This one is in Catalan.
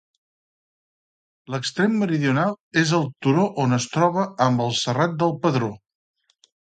L'extrem meridional és el turó on es troba amb el Serrat del Pedró.